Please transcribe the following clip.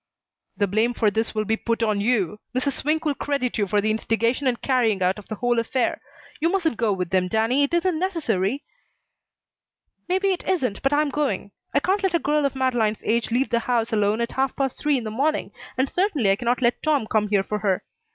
"The blame for this will be put on you. Mrs. Swink will credit you with the instigation and carrying out of the whole affair. You mustn't go with them, Danny. It isn't necessary." "Maybe it isn't, but I'm going. I can't let a girl of Madeleine's age leave the house alone at half past three in the morning, and certainly I cannot let Tom come here for her.